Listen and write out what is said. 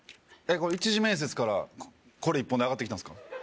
これ一次面接からこれ一本で上がってきたんですか？